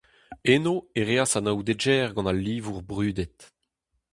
Eno e reas anaoudegezh gant al livour brudet.